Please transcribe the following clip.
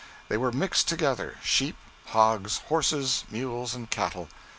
They were mixed together, sheep, hogs, horses, mules, and cattle.